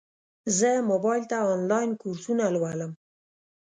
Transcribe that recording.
زه موبایل ته انلاین کورسونه لولم.